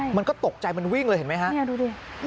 มันก็ตกใจมันวิ่งเลยเห็นไหมฮะดูดิ